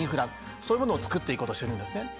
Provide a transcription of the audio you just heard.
そういうものを作っていこうとしてるんですね。